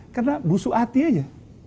karena busu hati saja